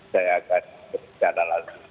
saya akan bercanda lagi